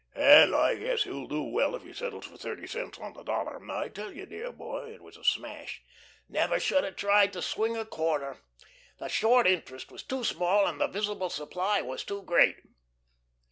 " and I guess he'll do well if he settles for thirty cents on the dollar. I tell you, dear boy, it was a smash!" "Never should have tried to swing a corner. The short interest was too small and the visible supply was too great."